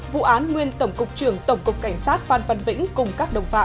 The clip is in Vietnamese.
vụ án nguyên tổng cục trưởng tổng cục cảnh sát phan văn vĩnh cùng các đồng phạm